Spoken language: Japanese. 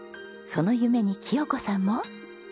その夢に喜代子さんも。